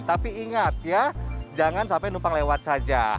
tapi ingat ya jangan sampai numpang lewat saja